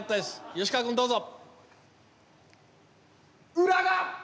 吉川君どうぞ！